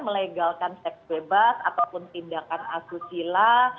melegalkan seks bebas ataupun tindakan asusila